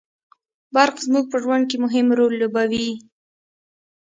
برق زموږ په ژوند کي مهم رول لوبوي